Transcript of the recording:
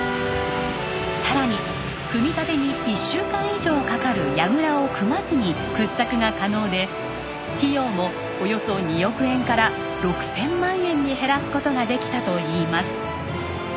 さらに組み立てに１週間以上かかる櫓を組まずに掘削が可能で費用もおよそ２億円から６０００万円に減らす事ができたといいます。